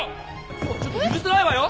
今日はちょっと許さないわよ！